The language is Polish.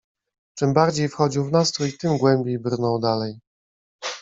Czym bardziej wchodził w nastrój, tym głębiej brnął dalej.